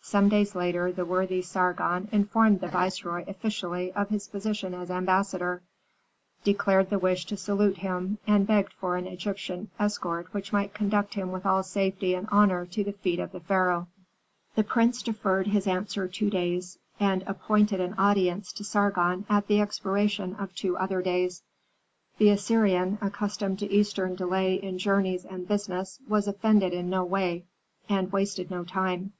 Some days later the worthy Sargon informed the viceroy officially of his position as ambassador, declared the wish to salute him, and begged for an Egyptian escort which might conduct him with all safety and honor to the feet of the pharaoh. The prince deferred his answer two days, and appointed an audience to Sargon at the expiration of two other days. The Assyrian, accustomed to eastern delay in journeys and business, was offended in no way, and wasted no time.